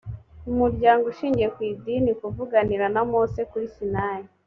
umuryango ushingiye ku idini kv kuvuganira na mose kuri sinayi